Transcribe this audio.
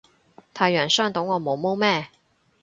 太陽傷到我毛毛咩